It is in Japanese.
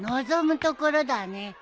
望むところだね。